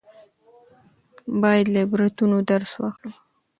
باید له عبرتونو درس واخلو.